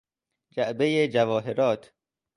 جعبهی جواهرات